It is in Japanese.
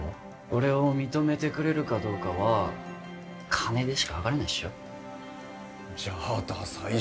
俺を認めてくれるかどうかは金でしかはかれないっしょじゃあダサい